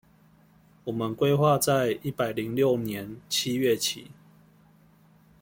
我們規劃在一百零六年七月起